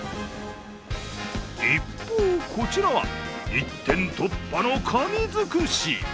一方、こちらは一点突破のかに尽くし。